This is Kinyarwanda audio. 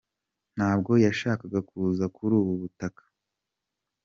Ntabwo yashakaga kuza kuri ubu butaka.